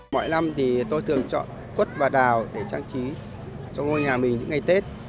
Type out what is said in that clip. mỗi năm thì tôi thường chọn cốt và đào để trang trí cho ngôi nhà mình những ngày tết